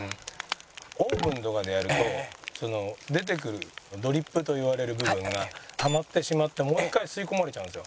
オーブンとかでやると出てくるドリップといわれる部分がたまってしまってもう一回吸い込まれちゃうんですよ。